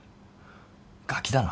ガキだな。